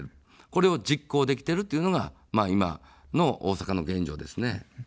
これを実行できているというのが今の大阪の現状ですね。